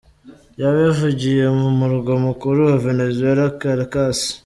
Yabivugiye mu murwa mukuru wa Venezuela, Caracas.